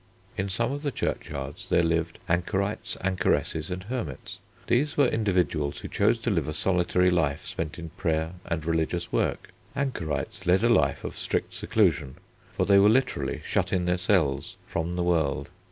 In some of the churchyards there lived anchorites, anchoresses, and hermits. These were individuals who chose to live a solitary life spent in prayer and religious work. Anchorites led a life of strict seclusion, for they were literally shut in their cells, from the world.